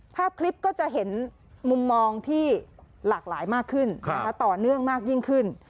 ภาพคลิปก็จะเห็นมุมมองที่หลากหลายมากขึ้นต่อเนื่องมากยิ่งขึ้น